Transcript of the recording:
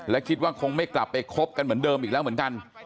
และคิดว่าคงไม่กลับไปคบกันเหมือนเดิมอีกแล้วเหมือนกัน